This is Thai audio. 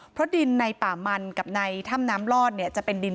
เพราะดินในป่ามันกับในถ้ำน้ำลอดเนี่ยจะเป็นดิน